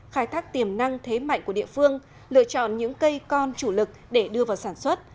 khai thác tiềm năng thế mạnh của địa phương lựa chọn những cây con chủ lực để đưa vào sản xuất